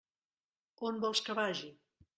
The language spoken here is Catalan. On vols que vagi?